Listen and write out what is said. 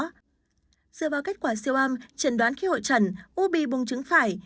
dựa vào kết quả siêu âm trần đoán khi hội trần u bì bùng trứng phải